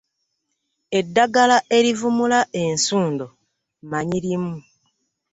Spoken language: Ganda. Eddagala erivumula ensundo mmanyi limu.